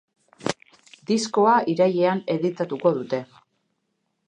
Diskoa irailean editatuko dute.